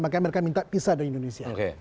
makanya mereka minta pisah dari indonesia